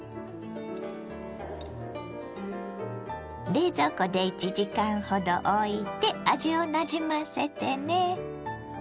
冷蔵庫で１時間ほどおいて味をなじませてね。